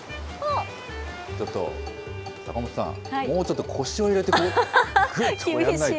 ちょっと、坂本さん、もうちょっと腰を入れて、こう、ぐっとやんないと。